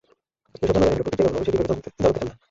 এসব জানাজানি হলে প্রতিক্রিয়া কেমন হবে, সেটি ভেবে জানাতে চান না।